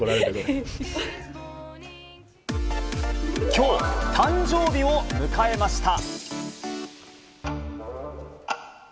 きょう誕生日を迎えました。